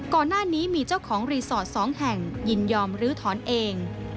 ก่อนหน้านี้มีเจ้าของรีสอร์ท๒แห่งยินยอมลื้อถอนเอง